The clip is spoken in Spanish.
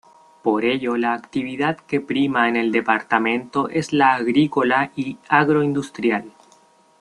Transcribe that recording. Por ello la actividad que prima en el departamento es la agrícola y agroindustrial.